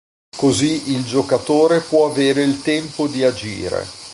Così il giocatore può avere il tempo di agire.